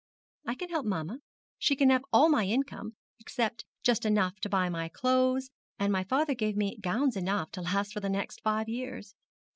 'I can help mamma. She can have all my income, except just enough to buy my clothes; and my father gave me gowns enough to last for the next five years.